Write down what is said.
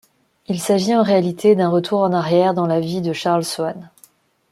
Il s'agit en réalité d'un retour en arrière dans la vie de Charles Swann.